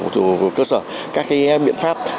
của cơ sở các biện pháp